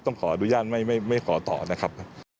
ต้องขออนุญาตไม่ขอต่อนะครับ